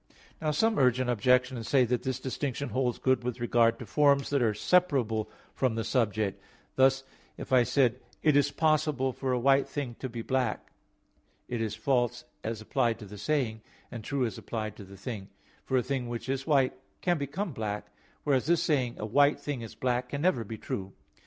Now some urge an objection and say that this distinction holds good with regard to forms that are separable from the subject; thus if I said, "It is possible for a white thing to be black," it is false as applied to the saying, and true as applied to the thing: for a thing which is white, can become black; whereas this saying, "a white thing is black" can never be true.